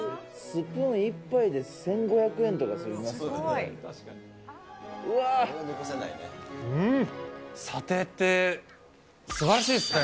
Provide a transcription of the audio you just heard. スプーン１杯で１５００円とかしますね。